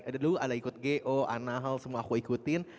dulu ada ikut go anahl semua aku ikutin